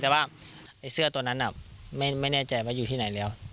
แต่ว่าไอ้เสื้อตัวนั้นไม่แน่ใจว่าอยู่ที่ไหนแล้ว